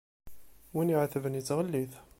Wi iɛetben yettɣellit.